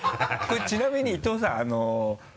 これちなみに伊藤さん。